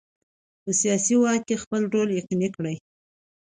په سیاسي واک کې خپل رول یقیني کړي.